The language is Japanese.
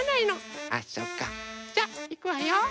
じゃあいくわよ。